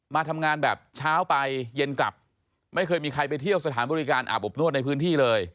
มาทำงานแบบเช้าไปเย็นกลับไม่เคยมีใครไปเที่ยวสถานบริการอาบอบนวดในพื้นที่เลย